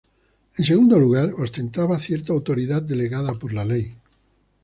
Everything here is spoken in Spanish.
En segundo lugar, ostentaba cierta autoridad delegada por la ley.